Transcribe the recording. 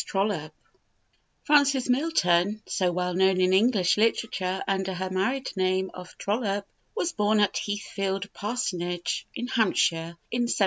TROLLOPE. Frances Milton, so well known in English literature under her married name of Trollope, was born at Heathfield Parsonage in Hampshire, in 1787.